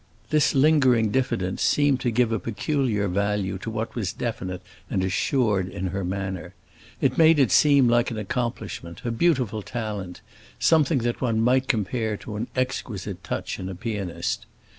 This lingering diffidence seemed to give a peculiar value to what was definite and assured in her manner; it made it seem like an accomplishment, a beautiful talent, something that one might compare to an exquisite touch in a pianist.